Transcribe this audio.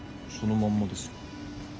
そのまんまですよ。